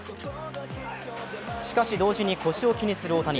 しかし、同時に腰を気にする大谷。